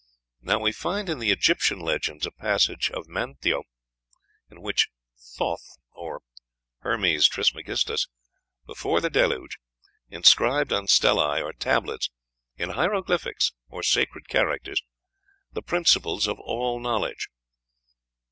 Now, we find in the Egyptian legends a passage of Manetho, in which Thoth (or Hermes Trismegistus), before the Deluge, inscribed on stelæ, or tablets, in hieroglyphics, or sacred characters, the principles of all knowledge.